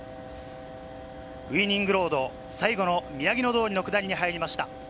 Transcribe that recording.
ウイニングロード、最後の宮城野通の下りに入りました。